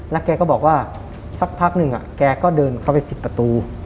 แกก็บอกว่าสักพักหนึ่งแกก็เดินเข้าไปปิดประตู